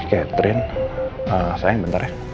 katerin sayang bentar ya